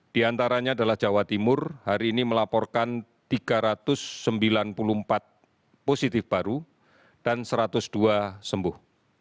di antaranya adalah jawa timur hari ini melaporkan tiga ratus sembilan puluh empat positif baru dan satu ratus dua sembuh